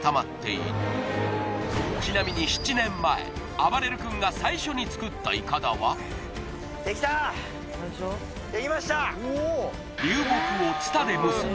ちなみに７年前あばれる君が最初に作ったイカダはできました